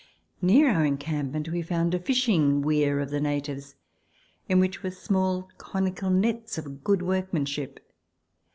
Near our encampment we found a fishing weir of the natives, in which were small conical nets of good workmanship.